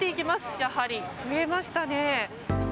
やはり増えましたね。